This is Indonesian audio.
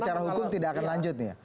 secara hukum tidak akan lanjut nih ya